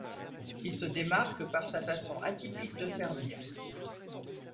Il se démarque par sa façon atypique de servir.